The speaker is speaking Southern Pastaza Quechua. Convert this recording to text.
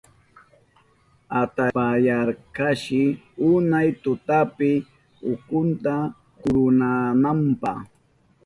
Ataripayarkashi unay tutapi utkunta kururunanpa.